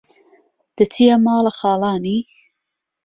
دهچيه ماڵه خاڵاني